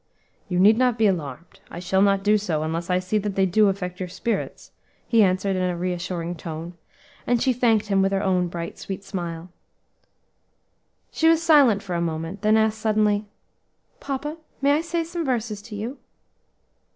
"You need not be alarmed. I shall not do so unless I see that they do affect your spirits," he answered in a reassuring tone, and she thanked him with her own bright, sweet smile. She was silent for a moment, then asked suddenly, "Papa, may I say some verses to you?"